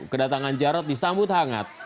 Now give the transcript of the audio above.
kedatangan jarod disambut hangat